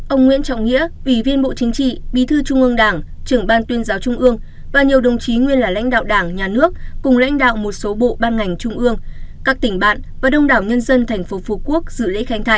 ông nguyễn trọng nghĩa ủy viên bộ chính trị bí thư trung ương đảng trưởng ban tuyên giáo trung ương và nhiều đồng chí nguyên là lãnh đạo đảng nhà nước cùng lãnh đạo một số bộ ban ngành trung ương các tỉnh bạn và đông đảo nhân dân tp phú quốc dự lễ khánh thành